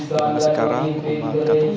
dan sekarang umat katolik